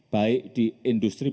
baik di industri